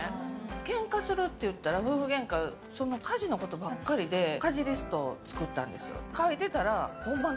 ケンカするって言ったら夫婦ゲンカ、家事のことばかりで家事リストを作ったんですよ。